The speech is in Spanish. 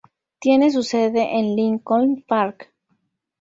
Tiene su sede en Lincoln Park.